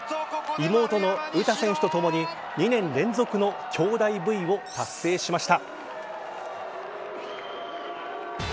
妹の詩選手とともに２年連続のきょうだいＶを達成しました。